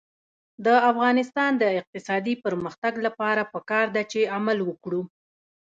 د افغانستان د اقتصادي پرمختګ لپاره پکار ده چې عمل وکړو.